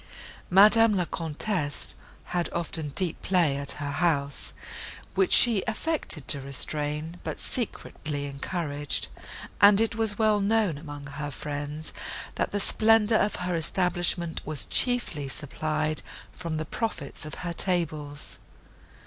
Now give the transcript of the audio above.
Madame La Comtesse had often deep play at her house, which she affected to restrain, but secretly encouraged; and it was well known among her friends, that the splendour of her establishment was chiefly supplied from the profits of her tables.